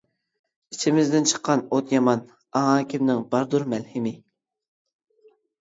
ئىچىمىزدىن چىققان ئوت يامان، ئاڭا كىمنىڭ باردۇر مەلھىمى.